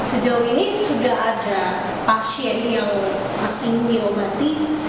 sejauh ini sudah ada pasien yang masih diobati